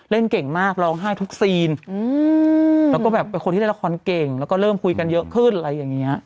เล่นเก่งมากร้องไห้ทุกซีนแล้วก็แบบเป็นคนที่เล่นละครเก่งแล้วก็เริ่มคุยกันเยอะขึ้นอะไรอย่างนี้